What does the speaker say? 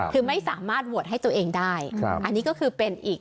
คือไม่สามารถโหวตให้ตัวเองได้อันนี้ก็คือเป็นอีก